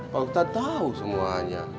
pak ustadz tau semuanya